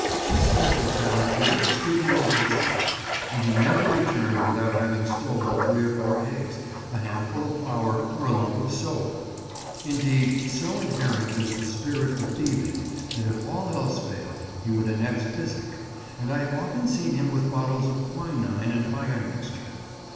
His special talent here stood him in good stead, and he never returned without having stolen three or four eggs, a handful of flour, or a lump of soap. Indeed, so inherent was the spirit for thieving, that if all else failed, he would annex physic, and I have often seen him with bottles of quinine and iron mixture.